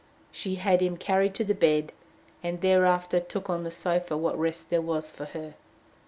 She had him carried to the bed, and thereafter took on the sofa what rest there was for her.